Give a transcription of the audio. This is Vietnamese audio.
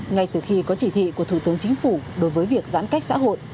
ngay từ khi có chỉ thị của thủ tướng chính phủ đối với việc giãn cách xã hội